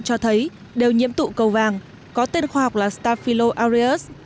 cho thấy đều nhiễm tụ cầu vàng có tên khoa học là staphyloareus